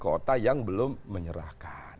kota yang belum menyerahkan